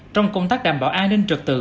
trong công tác đảm bảo an ninh trực tự